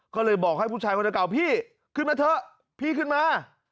ก็เลยบอกให้ผู้ชายคนเก่าพี่ขึ้นมาเถอะพี่ขึ้นมา